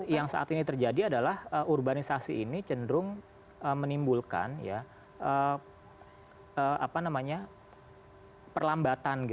yang saat ini terjadi adalah urbanisasi ini cenderung menimbulkan perlambatan